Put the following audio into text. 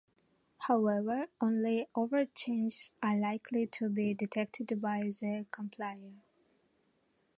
However, only overt changes are likely to be detected by the compiler.